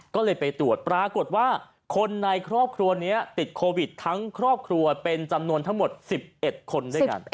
ก็เลยไปตรวจปรากฏว่าคนในครอบครัวนี้ติดโควิดทั้งครอบครัวเป็นจำนวนทั้งหมด๑๑คนด้วยกัน